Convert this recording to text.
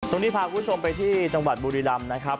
ตรงนี้พาคุณผู้ชมไปที่จังหวัดบุรีรัมษ์นะครับ